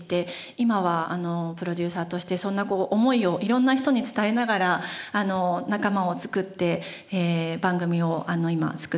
今はプロデューサーとしてそんな思いを色んな人に伝えながら仲間を作って番組を今作っているという感じになります。